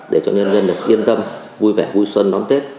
để cho nhân dân được yên tâm vui vẻ vui xuân đón tết